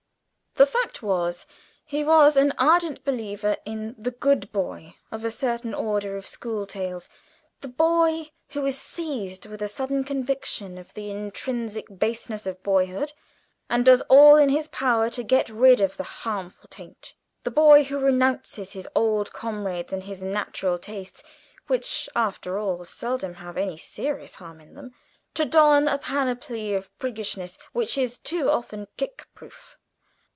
The fact was, he was an ardent believer in the Good Boy of a certain order of school tales the boy who is seized with a sudden conviction of the intrinsic baseness of boyhood, and does all in his power to get rid of the harmful taint; the boy who renounces his old comrades and his natural tastes (which after all seldom have any serious harm in them), to don a panoply of priggishness which is too often kick proof.